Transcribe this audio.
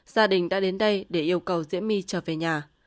gia đình đã đến đây để yêu cầu diễm my trở về nhà